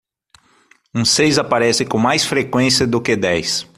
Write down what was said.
Um seis aparece com mais frequência do que dez.